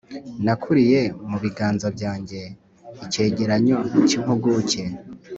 Nakiriye mu biganza byanjye icyegeranyo cy'impuguke